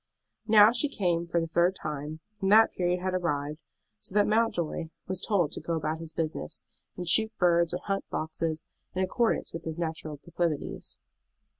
Now she came for the third time, and that period had arrived, so that Mountjoy was told to go about his business, and shoot birds or hunt foxes, in accordance with his natural proclivities.